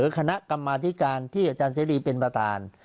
คณะกรรมาธิการที่อาจารย์เสรีเป็นประธาน